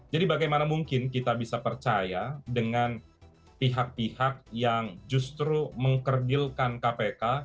jadi bagaimana mungkin kita bisa percaya dengan pihak pihak yang justru mengkergilkan kpk